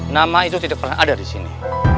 nama itu tidak pernah ada di sini